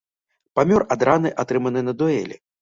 Памёр ад раны атрыманай на дуэлі.